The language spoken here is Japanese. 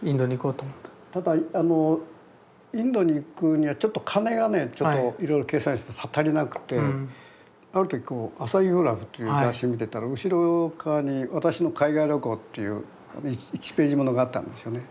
ただインドに行くにはちょっと金がねちょっといろいろ計算したら足りなくてある時こう「アサヒグラフ」という雑誌見てたら後ろ側に「私の海外旅行」っていう１ページものがあったんですよね